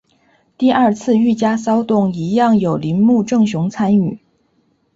第二次御家骚动一样有铃木正雄参与。